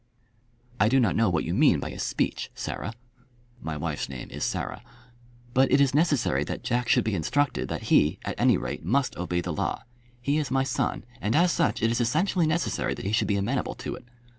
"I do not know what you mean by a speech, Sarah." My wife's name is Sarah. "But it is necessary that Jack should be instructed that he, at any rate, must obey the law. He is my son, and, as such, it is essentially necessary that he should be amenable to it.